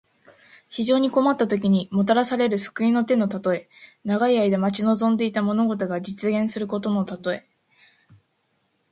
非常に困ったときに、もたらされる救いの手のたとえ。長い間待ち望んでいた物事が実現することのたとえ。